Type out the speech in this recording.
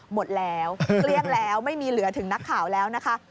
หมดแล้วเกลี้ยงแล้วไม่มีเหลือถึงนักข่าวแล้วนะคะ